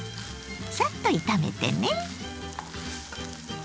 サッと炒めてね。